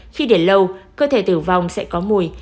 khi đến lâu cơ thể tử vong sẽ có mùi